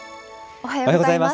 おはようございます。